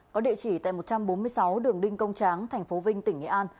có địa chỉ tại một trăm bốn mươi sáu đường đinh công tráng tp vinh tỉnh nghệ an